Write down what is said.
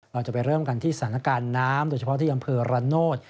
เราจะไปเริ่มกันที่สถานการณ์น้ำโดยเฉพาะที่อำเภอระโนธ